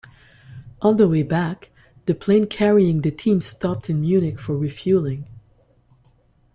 On the way back, the plane carrying the team stopped in Munich for refuelling.